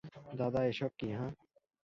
দাদা, এসব কী হাহ্?